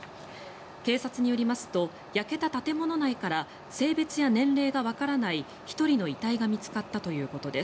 警察によりますと焼けた建物内から性別や年齢がわからない１人の遺体が見つかったということです。